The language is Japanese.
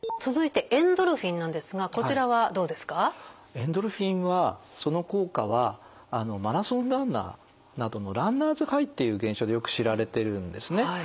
エンドルフィンはその効果はマラソンランナーなどのランナーズハイっていう現象でよく知られてるんですね。